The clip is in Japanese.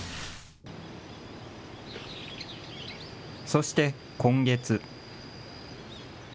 そして、今月。